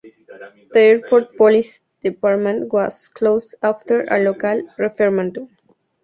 The Airport Police department was closed after a local referendum.